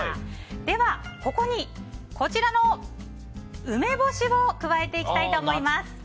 ではここに、こちらの梅干しを加えていきたいと思います。